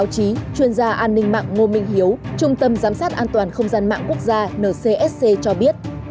chuyên gia an ninh mạng ngô minh hiếu trung tâm giám sát an toàn không gian mạng quốc gia ncsc cho biết